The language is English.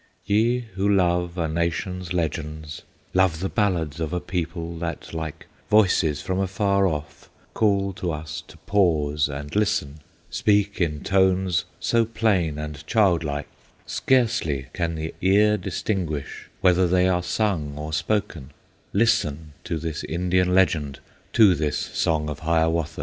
Ye who love a nation's legends, Love the ballads of a people, That like voices from afar off Call to us to pause and listen, Speak in tones so plain and childlike, Scarcely can the ear distinguish Whether they are sung or spoken; Listen to this Indian Legend, To this Song of Hiawatha!